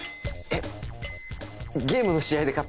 えっ？